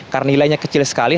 karena nilainya kecil sekali